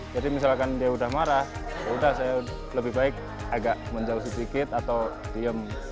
jadi misalkan dia udah marah ya udah saya lebih baik agak menjauh sedikit atau diem